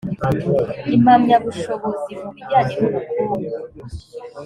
impamyabushobozi mu bijyanye n ubukungu